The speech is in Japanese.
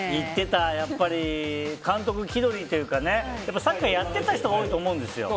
やっぱり監督気取りというかサッカーやってた人が多いと思うんですよ。